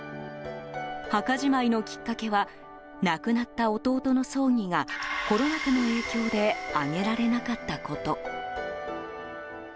墓じまいのきっかけは亡くなった弟の葬儀がコロナ禍の影響で挙げられなかったこと。